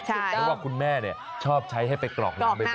เพราะว่าคุณแม่ชอบใช้ให้ไปกรอกน้ำบ่อย